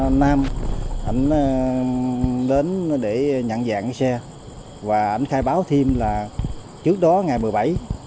anh nam anh đến để nhận dạng xe và anh khai báo thêm là trước đó ngày một mươi bảy